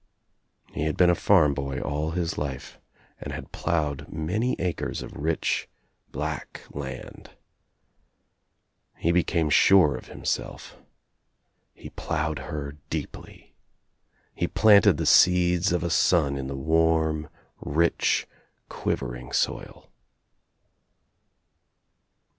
He had been a farm boy all his life and had plowed many acres of rich black land. He became sure of himself. He plowed her deeply. He planted the seeds of a son in the warm rich quiv ■ ering soil.